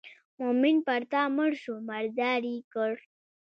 مومن پر تا مړ شو مردار یې کړ.